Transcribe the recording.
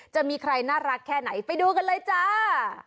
จะมีใครน่ารักแค่ไหนไปดูกันเลยจ้า